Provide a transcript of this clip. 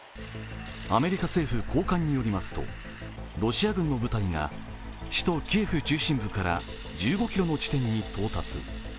アメリカ政府高官によりますと、ロシア軍の部隊が首都キエフ中心部から１５ｋｍの地点に到達。